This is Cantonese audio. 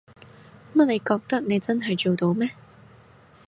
乜你覺得你真係做到咩？